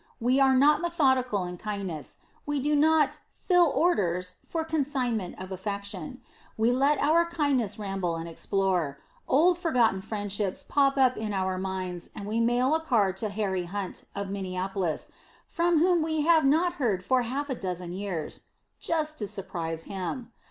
We are not methodical in kindness; we do not "fill orders" for consignments of affection. We let our kindness ramble and explore; old forgotten friendships pop up in our minds and we mail a card to Harry Hunt, of Minneapolis (from whom we have not heard for half a dozen years), "just to surprise him."